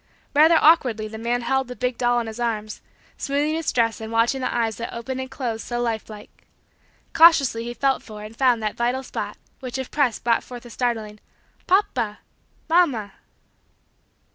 Rather awkwardly the man held the big doll in his arms, smoothing its dress and watching the eyes that opened and closed so lifelike; cautiously he felt for and found that vital spot which if pressed brought forth a startling: "papa mama."